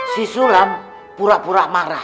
si sulam pura pura marah